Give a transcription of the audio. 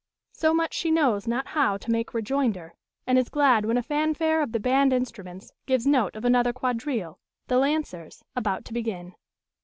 So much she knows not how to make rejoinder, and is glad when a fanfare of the band instruments gives note of another quadrille the Lancers about to begin.